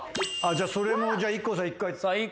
あっじゃあそれもじゃあＩＫＫＯさん１回。